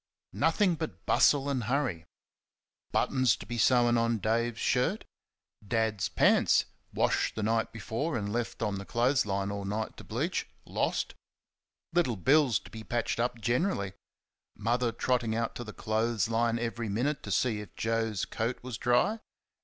Nothing but bustle and hurry. Buttons to be sewn on Dave's shirt; Dad's pants washed the night before and left on the clothes line all night to bleach lost; Little Bill's to be patched up generally; Mother trotting out to the clothes line every minute to see if Joe's coat was dry.